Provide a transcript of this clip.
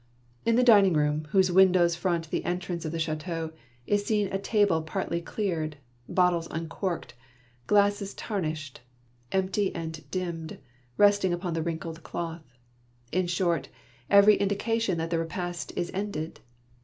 In the dining room, whose windows front the entrance of the chateau, is seen a table partly cleared, bottles uncorked, glasses tarnished, empty and dimmed, resting upon the wrinkled cloth, — in short, every indication that the repast is ended.